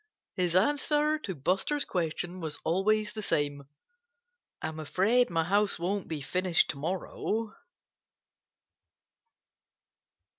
His answer to Buster's question was always the same: "I'm afraid my house won't be finished to morrow."